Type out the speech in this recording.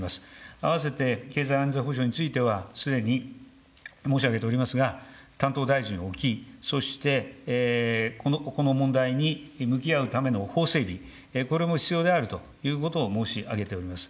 併せて、経済・安全保障については、すでに申し上げておりますが、担当大臣を置き、そして、この問題に向き合うための法整備、これも必要であるということを申し上げております。